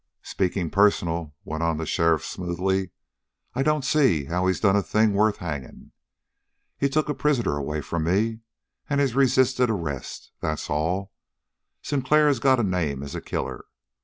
"Speaking personal," went on the sheriff smoothly, "I don't see how he's done a thing worth hanging. He took a prisoner away from me, and he's resisted arrest. That's all. Sinclair has got a name as a killer.